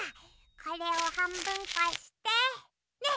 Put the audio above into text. これをはんぶんこしてねえ